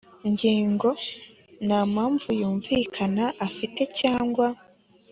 ngingo nta mpamvu yumvikana afite cyangwa